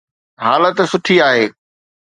حالت سٺي آهي